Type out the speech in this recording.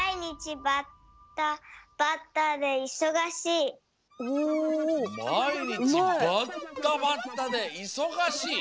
バッタバッタでいそがしい。